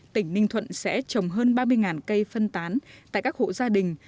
tỉnh ninh thuận sẽ trồng hơn ba mươi cây phân tán tại các hộ gia đình